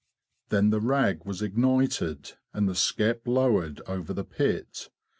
Then the rag was ignited and the skep lowered over the pit.